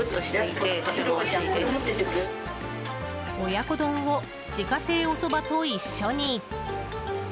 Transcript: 親子丼を自家製おそばと一緒に。